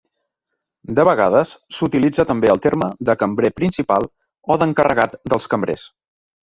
De vegades s'utilitza també el terme de cambrer principal o d'encarregat dels cambrers.